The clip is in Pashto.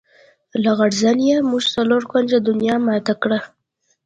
لغړزنیه! موږ څلور کونجه دنیا ماته کړه.